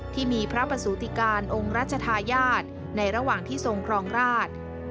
ที่มีพระประสูติการองค์รัชธาญาติในระหว่างที่ทรงครองราช